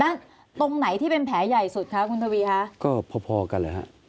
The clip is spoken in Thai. ด้านตรงไหนที่เป็นแผลใหญ่สุดค่ะคุณทวีค่ะก็พอกันเลยฮะ